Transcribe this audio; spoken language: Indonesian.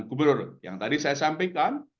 gubernur yang tadi saya sampaikan